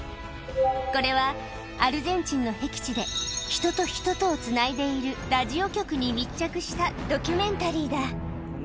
これはアルゼンチンのへき地で、人と人とをつないでいるラジオ局に密着したドキュメンタリーだ。